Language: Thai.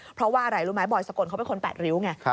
เพราะว่าอะไรรู้ไหมบอยสกลเขาเป็นคนแปดริ้วไง